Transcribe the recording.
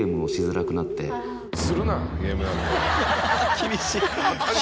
厳しい。